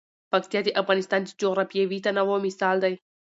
پکتیا د افغانستان د جغرافیوي تنوع مثال دی.